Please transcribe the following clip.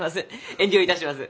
遠慮いたします。